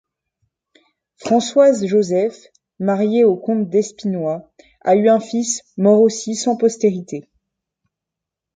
Françoise-Joseph, mariée au comte d'Espinois, a eu un fil mort aussi sans postérité.